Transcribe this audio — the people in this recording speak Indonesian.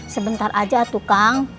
sebentar aja atuh kang